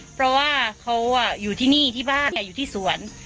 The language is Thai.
เพราะว่าเขาอยู่ที่นี่ที่บ้านอยู่ที่สวน